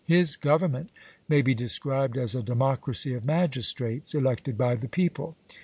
His government may be described as a democracy of magistrates elected by the people.